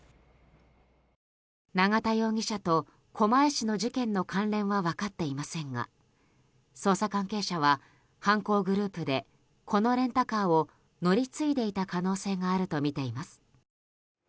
永田容疑者と狛江市の事件の関連は分かっていませんが捜査関係者は犯行グループでこのレンタカーを乗り継いでいた可能性があるとみています。